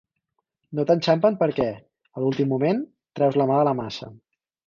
No t'enxampen perquè, a l'últim moment, treus la mà de la massa.